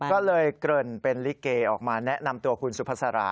ก็เลยเกริ่นเป็นลิเกออกมาแนะนำตัวคุณสุภาษารา